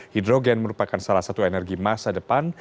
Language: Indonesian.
hidrogen merupakan salah satu energi masa depan